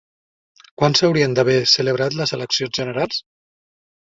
Quan s'haurien d'haver celebrat les eleccions generals?